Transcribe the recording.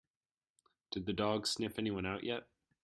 Did the dog sniff anyone out yet?